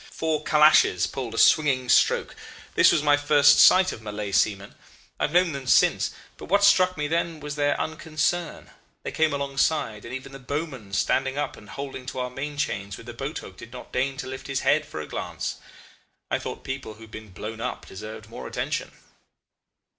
Four Calashes pulled a swinging stroke. This was my first sight of Malay seamen. I've known them since, but what struck me then was their unconcern: they came alongside, and even the bowman standing up and holding to our main chains with the boat hook did not deign to lift his head for a glance. I thought people who had been blown up deserved more attention.